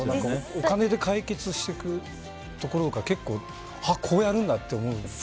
お金で解決していくところが結構、こうやるんだって思う。